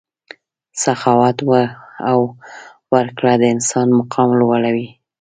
سخاوت او ورکړه د انسان مقام لوړوي.